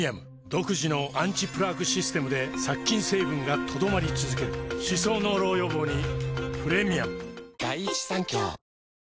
独自のアンチプラークシステムで殺菌成分が留まり続ける歯槽膿漏予防にプレミアム